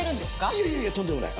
いやいやいやとんでもない！